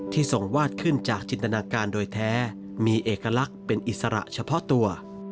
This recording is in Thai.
ทรงวาดขึ้นจากจินตนาการโดยแท้มีเอกลักษณ์เป็นอิสระเฉพาะตัว